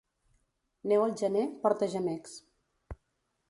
Neu al gener, porta gemecs.